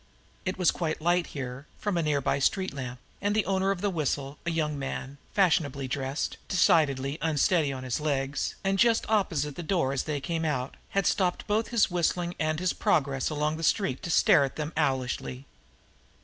It was quite light here from a nearby street lamp, and the owner of the whistle, a young man, fashionably dressed, decidedly unsteady on his legs, and just opposite the door as they came out, had stopped both his whistle and his progress along the street to stare at them owlishly.